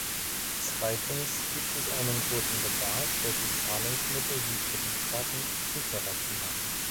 Zweitens gibt es einen großen Bedarf, solche Zahlungsmittel wie Kreditkarten sicherer zu machen.